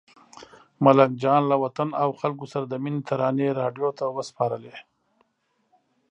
ملنګ جان له وطن او خلکو سره د مینې ترانې راډیو ته وسپارلې.